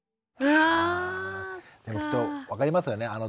分かりますよね。